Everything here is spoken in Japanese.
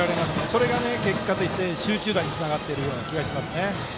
それが結果的に集中打につながってるような気がしますね。